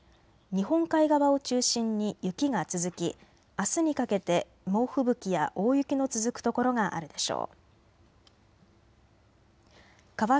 日本海側を中心に雪が続きあすにかけて猛吹雪や大雪の続く所があるでしょう。